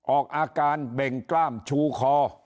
ออกอาการเบ่งกล้ามชูคอ